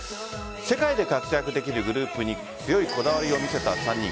世界で活躍できるグループに強いこだわりを見せた３人。